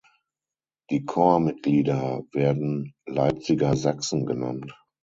Die Corpsmitglieder werden Leipziger Sachsen genannt.